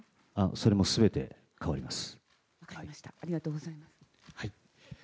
それも全て変わります。